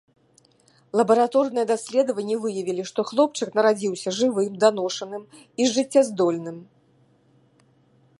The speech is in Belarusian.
Лабараторныя даследаванні выявілі, што хлопчык нарадзіўся жывым, даношаным і жыццяздольным.